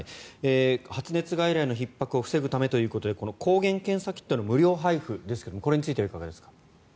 発熱外来のひっ迫を防ぐためということでこの抗原検査キットの無料配布についてはいかがですか？